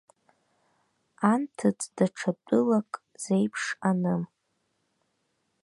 Анҭыҵ даҽа тәылак зеиԥш аным!